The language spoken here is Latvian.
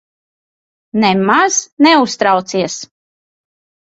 Nemaz neuztraucies.